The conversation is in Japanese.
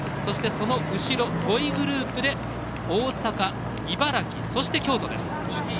そして、その後ろ５位グループで大阪、茨城、そして京都です。